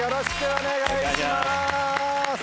お願いします。